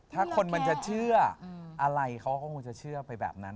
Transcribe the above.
ถ้าคนมันจะเชื่ออะไรเขาก็คงจะเชื่อไปแบบนั้น